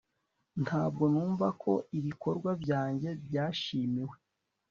Ntabwo numva ko ibikorwa byanjye byashimiwe